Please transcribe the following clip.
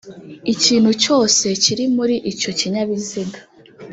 ikintu cyose kiri muri icyo kinyabiziga